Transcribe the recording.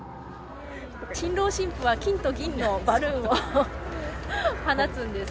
新郎新婦は金と銀のバルーンを放つんです。